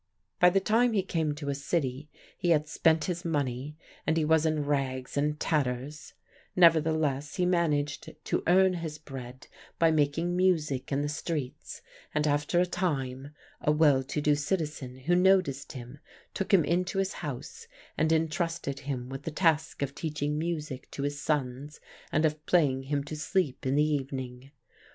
By the time he came to a city he had spent his money, and he was in rags and tatters; nevertheless, he managed to earn his bread by making music in the streets, and after a time a well to do citizen who noticed him took him into his house and entrusted him with the task of teaching music to his sons and of playing him to sleep in the evening.